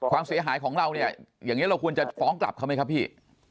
ความเสียหายของเราเนี่ยอย่างนี้เราควรจะฟ้องกลับเขาไหมครับพี่